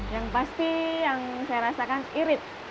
yang pasti yang saya rasakan irit